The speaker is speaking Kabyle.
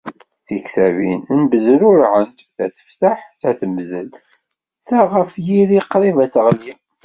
Tiktabin mbezrurɛent, ta tefteḥ, ta temdel, ta ɣef yiri qrib ad teɣli.